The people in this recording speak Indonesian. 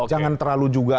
jangan terlalu juga